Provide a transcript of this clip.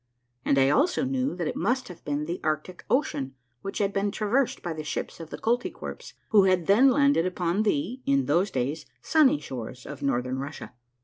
And 1 also knew that it must have been the Arctic Ocean which had been traversed by the ships of the 'Koltykwerps, who had then landed upon the, in those days, sunny shores of Northern Russia.